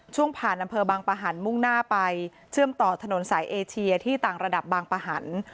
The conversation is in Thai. ผ่านอำเภอบางปะหันมุ่งหน้าไปเชื่อมต่อถนนสายเอเชียที่ต่างระดับบางปะหัน